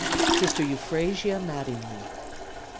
Sister Euphrasia Mattingly.